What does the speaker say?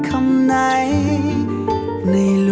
ความเพียงเราก็จะได้รู้จากเรื่องพระมหาชนกที่ตอนนั้นเป็นพระราชนิพลของท่าน